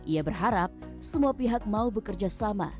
ia berharap semua pihak mau bekerja sama